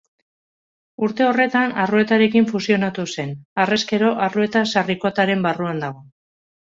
Urte horretan Arruetarekin fusionatu zen; harrezkero Arrueta-Sarrikotaren barruan dago.